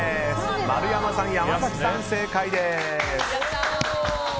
丸山さん、山崎さん正解です。